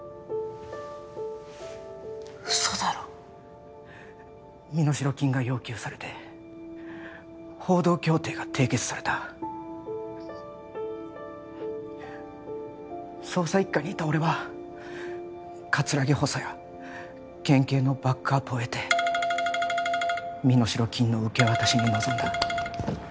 嘘だろ身代金が要求されて報道協定が締結された捜査一課にいた俺は葛城補佐や県警のバックアップを得て身代金の受け渡しに臨んだ